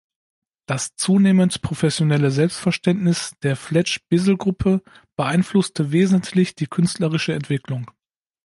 Das zunehmend professionelle Selbstverständnis der Fletch Bizzel-Gruppe beeinflusste wesentlich die künstlerische Entwicklung.